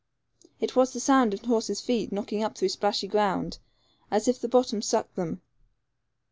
It was the sound of horses' feet knocking up through splashy ground, as if the bottom sucked them.